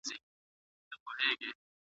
سفیران به د بیان ازادي ساتي.